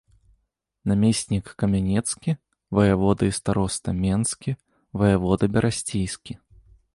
Намеснік камянецкі, ваявода і староста менскі, ваявода берасцейскі.